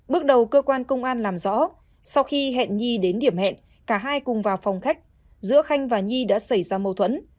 bước đầu cơ quan công an làm rõ sau khi hẹn nhi đến điểm hẹn cả hai cùng vào phòng khách giữa khanh và nhi đã xảy ra mâu thuẫn